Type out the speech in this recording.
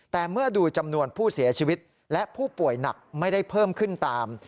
แต่เมื่อดูจำนวนผู้เสียชีวิตและผู้ป่วยหนักไม่ได้เพิ่มขึ้นตาม